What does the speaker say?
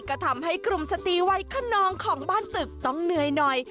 ก็ทำให้กลุ่มสตรีวัยคนนองของบ้านตึกต้องเหนื่อยหน่อย